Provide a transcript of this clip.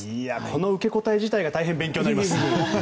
その受け答え自体が勉強になります。